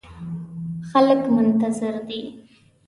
خلګ منتظر دي